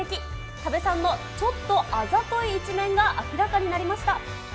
多部さんのちょっとあざとい一面が明らかになりました。